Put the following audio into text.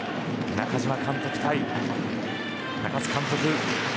中嶋監督対高津監督。